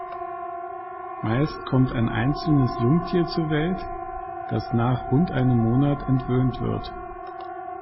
Meist kommt ein einzelnes Jungtier zur Welt, das nach rund einem Monat entwöhnt wird.